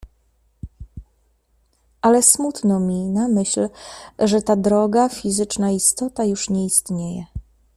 "Ale smutno mi na myśl, że ta droga, fizyczna istota już nie istnieje."